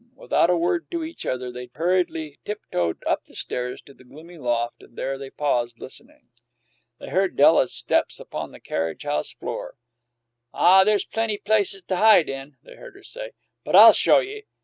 Without a word to each other they hurriedly tiptoed up the stairs to the gloomy loft, and there they paused, listening. They heard Della's steps upon the carriage house floor. "Ah, there's plenty places t'hide in," they heard her say; "but I'll show ye!